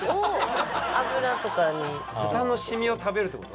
豚のシミを食べるってこと？